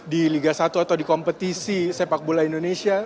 di liga satu atau di kompetisi sepak bola indonesia